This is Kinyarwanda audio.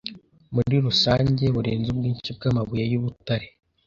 muri rusange burenze ubwinshi bwamabuye yubutare